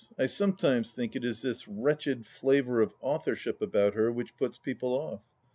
I sometimes think it is this wretched flavour of authorship about her which puts people off.